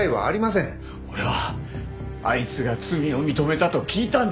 俺はあいつが罪を認めたと聞いたんだ。